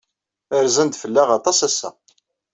Rzan-d fell-aɣ aṭas ass-a.